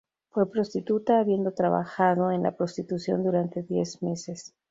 Fue prostituta, habiendo trabajado en la prostitución durante diez meses.